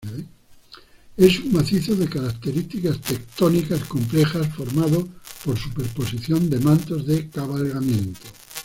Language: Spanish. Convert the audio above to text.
Es un macizo de características tectónicas complejas formado por superposición de mantos de cabalgamiento.